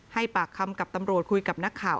ปากคำกับตำรวจคุยกับนักข่าว